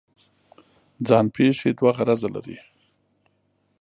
ځان پېښې دوه غرضه لري.